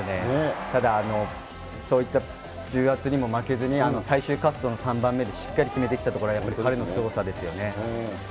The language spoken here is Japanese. ただ、そういった重圧にも負けずに、最終滑走の３番目でしっかり決めてきたところが彼のすごさですね。